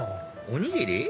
おにぎり？